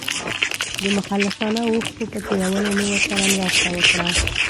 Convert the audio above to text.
د مخلصانه اوښکو په تویولو مې ورسره مرسته وکړه.